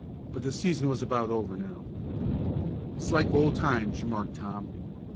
But the season was about over now. "It's like old times," remarked Tom.